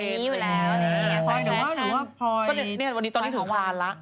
นี่อ่าพลอยหอวังหรือว่าพลอยก็เนี่ยวันนี้ตอนนี้ถึงพรานละ